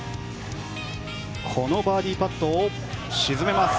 このバーディーパットを沈めます。